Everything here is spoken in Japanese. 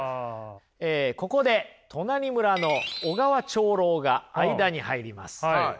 ここで隣村の小川長老が間に入ります。